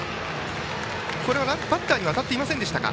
これはバッターに当たっていませんでしたか。